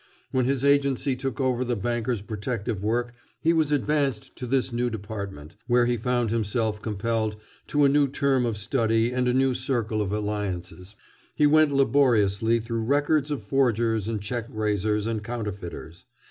When his agency took over the bankers' protective work he was advanced to this new department, where he found himself compelled to a new term of study and a new circle of alliances. He went laboriously through records of forgers and check raisers and counterfeiters.